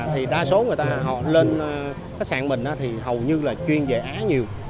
thì đa số người ta họ lên khách sạn mình thì hầu như là chuyên về á nhiều